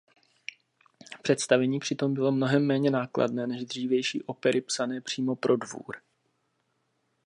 Představení přitom bylo mnohem méně nákladné než dřívější opery psané přímo pro dvůr.